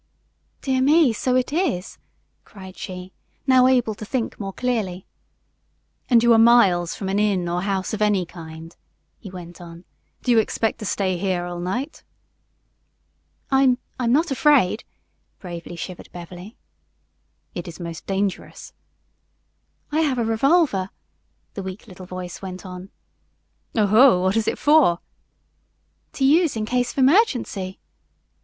"Dear me; so it is!" cried she, now able to think more clearly. "And you are miles from an inn or house of any kind," he went on. "Do you expect to stay here all night?" "I'm I'm not afraid," bravely shivered Beverly. "It is most dangerous." "I have a revolver," the weak little voice went on. "Oho! What is it for?" "To use in case of emergency."